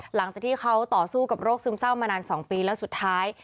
หลังจากที่เขาต่อสู้กับโรคซึมเศร้ามานาน๒ปีแล้วสุดท้าย